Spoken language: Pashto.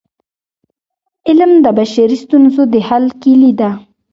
علم د بشري ستونزو د حل کيلي ده.